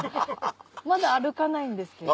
まだ歩かないんですけど。